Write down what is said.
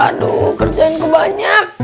aduh kerjaan ke banyak